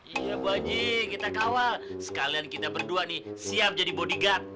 iya bu aji kita ke awal sekalian kita berdua nih siap jadi bodyguard